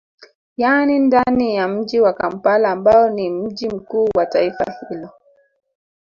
Yani ndani ya mji wa Kampala ambao ni mji mkuu wa taifa hilo